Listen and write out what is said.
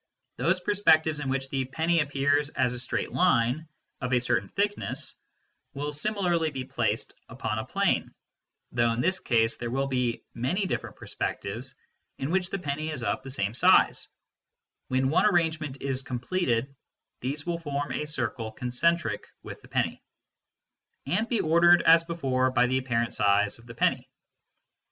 Those perspectives in which the penny appears as a straight line of a certain thickness will similarly be placed upon a plane (though in this case there will be many different perspectives in which the penny is of the same size ; when one arrangement is com pleted these will form a circle concentric with the penny) , and ordered as before by the apparent size of the penny.